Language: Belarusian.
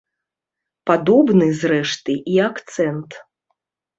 Падобны, зрэшты, і акцэнт.